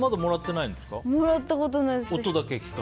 もらったことないです。